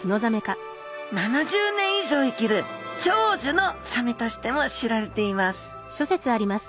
７０年以上生きる長寿のサメとしても知られています